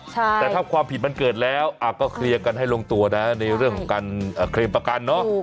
แต่ถ้าความผิดมันเกิดแล้วก็เคลียร์กันให้ลงตัวนะในเรื่องของการเคลมประกันเนอะ